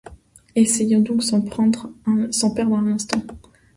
Essayons donc sans perdre un instant